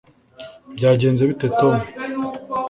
byagenze bite, tom